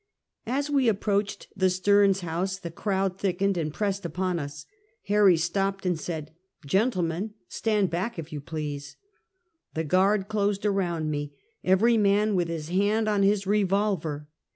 As we approached the Stearns House, the crowd thickened and pressed upon us. Harry stopped and said: "Gentlemen, stand back, if you please!" The guard closed around me, every man with his hand on his revolver.